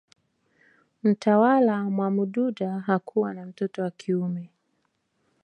Mtawala Mwamududa hakuwa na mtoto wa kiume